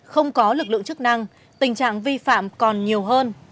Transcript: không có lực lượng chức năng tình trạng vi phạm còn nhiều hơn